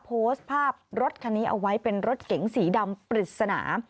โพสต์ภาพรถคันนี้เอาไว้เป็นรถเก๋งสีดำปริศนา